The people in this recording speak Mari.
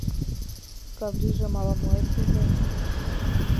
Каврийжым ала-моэш ужеш.